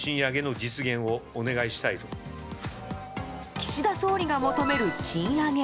岸田総理が求める賃上げ。